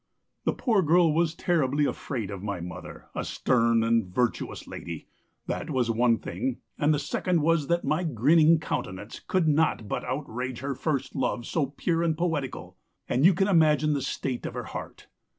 "The poor girl was terribly afraid of my mother, a stern and virtuous lady that was one thing; and the second was that my grinning countenance could not but outrage her first love so pure and poetical, and you can imagine the state of her heart.